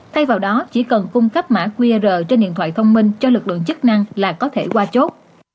thay vào đó chỉ cần cung cấp mã qr trên điện thoại thông minh cho lực lượng chức năng là có thể qua chốt